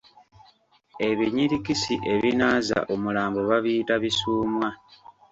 Ebinyirikisi ebinaaza omulambo babiyita Bisuumwa.